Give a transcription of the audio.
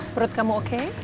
perut kamu oke